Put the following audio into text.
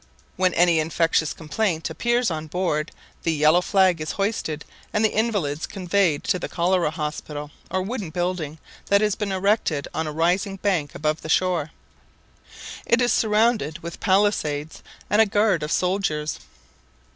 When any infectious complaint appears on board, the yellow flag is hoisted, and the invalids conveyed to the cholera hospital or wooden building, that has been erected on a rising bank above the shore. It is surrounded with palisadoes and a guard of soldiers.